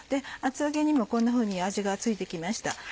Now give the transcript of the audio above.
厚揚げにもこんなふうに味が付いて来ました。